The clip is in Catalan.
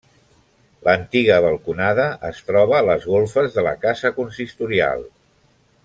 L'antiga balconada es troba a les golfes de la casa consistorial.